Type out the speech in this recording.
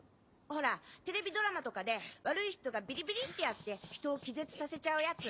ほらテレビドラマとかで悪い人がビリビリってやって人を気絶させちゃうやつ。